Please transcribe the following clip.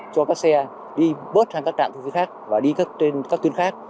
cho các xe đi bớt sang các trạng thu phí khác và đi trên các tuyến khác